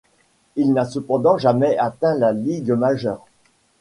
Il n'a cependant jamais atteint la Ligue majeure.